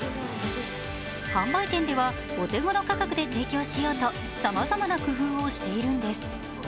販売店ではお手頃価格で提供しようと、さまざまな工夫をしているんです。